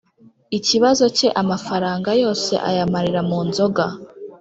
Ikibazo cye amafaranga yose ayamarira mu nzoga